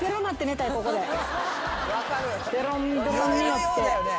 ベロンベロンに酔って。